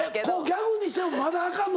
ギャグにしてもまだアカンの？